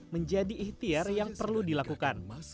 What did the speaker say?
menjadi ikhtiar yang perlu dilakukan